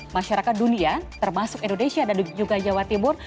masyarakat dunia termasuk indonesia dan juga jawa timur